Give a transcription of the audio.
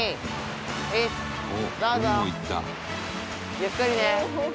ゆっくりね。